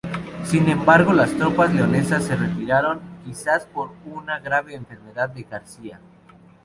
Sin embargo, las tropas leonesas se retiraron, quizás por una grave enfermedad de García.